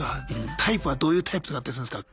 タイプはどういうタイプとかだったりするんすか？